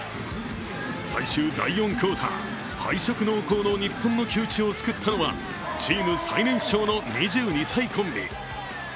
最終第４クオーター、敗色濃厚の日本の窮地を救ったのはチーム最年少の２２歳コンビ。